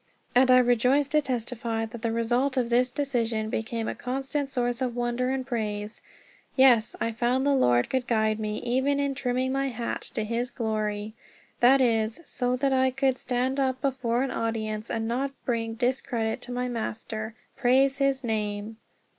And I rejoice to testify that the result of this decision became a constant source of wonder and praise. Yes, I found the Lord could guide me even in trimming my hat to his glory! That is, so that I could stand up before an audience and not bring discredit to my Master. Praise his name!